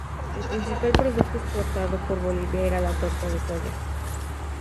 El principal producto exportado por Bolivia era la torta de soya.